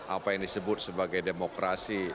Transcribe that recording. apa yang disebut sebagai demokrasi